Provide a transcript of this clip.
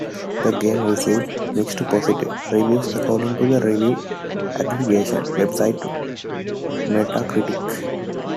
The game received "mixed to positive" reviews according to the review aggregation website Metacritic.